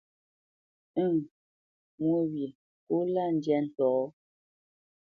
Ə̂ŋ mwô wyê kó lâ ndyâ ntɔ̌.